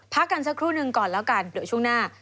พักกันสักครู่หนึ่งก่อนแล้วกันเดี๋ยวช่วงหน้า